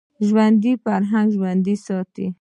ژوندي فرهنګ ژوندی ساتي